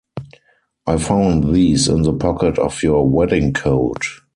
I found these in the pocket of your wedding-coat.